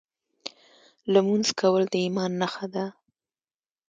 لمونځ کول د ایمان نښه ده .